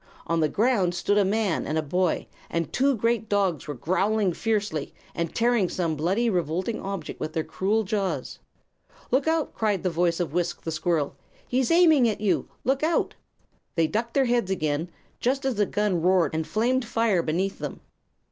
On the ground stood a man and a boy, and two great dogs were growling fiercely and tearing some bloody, revolting object with their cruel jaws. "Look out!" cried the voice of Wisk, the squirrel. "He's aiming at you look out!" They ducked their heads again, just as the gun roared and flamed fire beneath them.